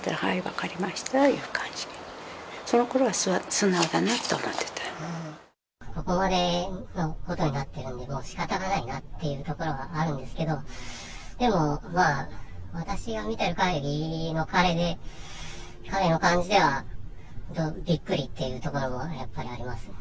ここまでのことになっているので、もうしかたがないなっていうところはあるんですけど、でもまあ、私が見てるかぎり、彼の感じでは、びっくりというところもやっぱりあります。